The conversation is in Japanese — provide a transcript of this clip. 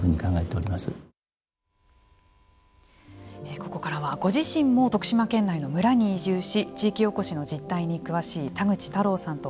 ここからはご自身も徳島県内の村に移住し地域おこしの実態に詳しい田口太郎さんと